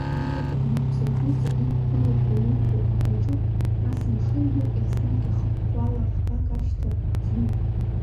Алада унапсыргәыҵа иқәгылоушәа иубо агаҿықә, нас амшын ду, еснагь ихыхәхәала ӷбак ашьҭа зну.